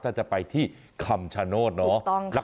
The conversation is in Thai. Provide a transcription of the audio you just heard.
ถ้าจะไปที่คำชโนธเนาะ